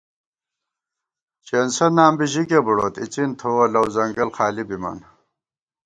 چېنسہ نام بی ژِکےبُڑوت ، اِڅِن تھوَہ لَؤ ځنگل خالی بِمان